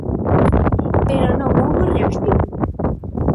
Pero non houbo reacción.